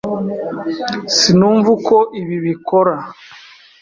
Sinumva uko ibi bikora.